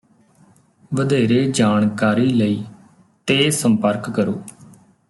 ਵਧੇਰੇ ਜਾਣਕਾਰੀ ਲਈ ਤੇ ਸੰਪਰਕ ਕਰੋ